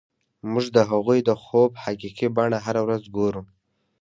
موږ د هغوی د خوب حقیقي بڼه هره ورځ ګورو